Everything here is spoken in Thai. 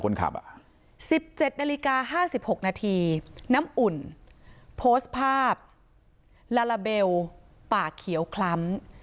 ๑๗นาฬิกา๕๖นาทีน้ำอุ่นโพสต์ภาพลาลาเบลปากเขียวคล้ำ